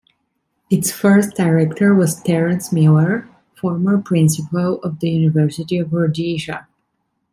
Its first Director was Terence Miller, former principal of the University of Rhodesia.